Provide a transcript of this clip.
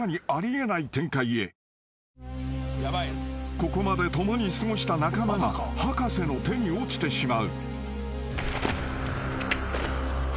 ［ここまで共に過ごした仲間が博士の手に落ちてしまう］